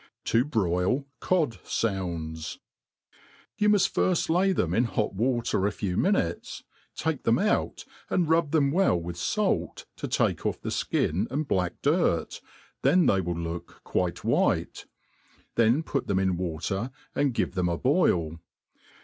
To broil Cod'Sounds. YOy muft firft lay them in hot water a few minutes.; take l^iem out and rub ibem well with fait, to take off the ikin and ilack dirt, then they will look white, then put them in water, nd give them a boil.